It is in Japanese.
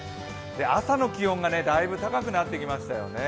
朝の気温がだいぶ高くなってきましたよね。